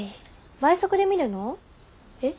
倍速で見るの？え。